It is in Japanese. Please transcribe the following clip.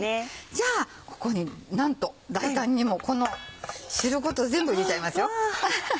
じゃあここになんと大胆にもこの汁ごと全部入れちゃいますよ。